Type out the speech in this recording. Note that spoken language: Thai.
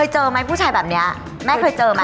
เจอไหมผู้ชายแบบนี้แม่เคยเจอไหม